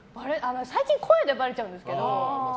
最近声でばれちゃうんですけど。